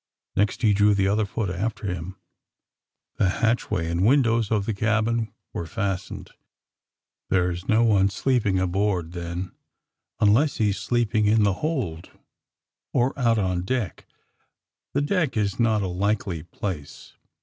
Next he drew the other foot after him. The hatchway and windows of the cabin were fastened. *^ There's no one sleeping aboard, then, un less he's sleeping in the hold, or out on deck. The deck is not a likely place."